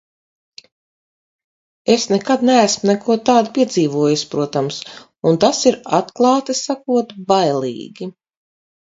Es nekad neesmu neko tādu piedzīvojusi, protams, un tas ir, atklāti sakot, bailīgi.